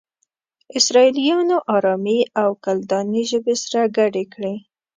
اسرائيليانو آرامي او کلداني ژبې سره گډې کړې.